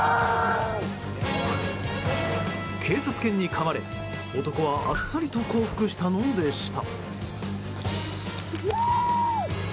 警察犬にかまれ、男はあっさりと降伏したのでした。